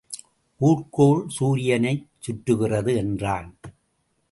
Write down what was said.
ஊர்க்கோள் சூரியனைச் சுற்றுகிறது என்றான்.